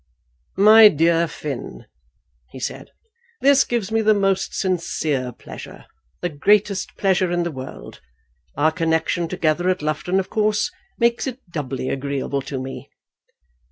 "My dear Finn," he said, "this gives me the most sincere pleasure, the greatest pleasure in the world. Our connection together at Loughton of course makes it doubly agreeable to me."